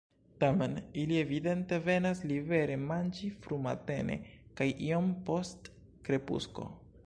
Tamen ili evidente venas libere manĝi frumatene kaj iom post krepusko.